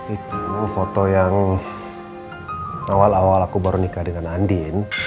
itu foto yang awal awal aku baru nikah dengan andin